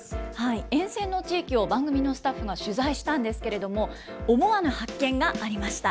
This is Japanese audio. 沿線の地域を番組のスタッフが取材したんですけれども、思わぬ発見がありました。